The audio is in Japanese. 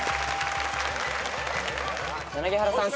柳原さん